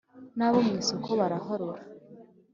n'abo mu isoko barahurura